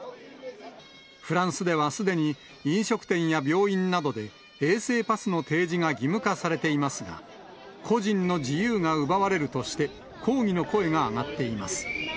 フランスではすでに飲食店や病院などで、衛生パスの提示が義務化されていますが、個人の自由が奪われるとして、抗議の声が上がっています。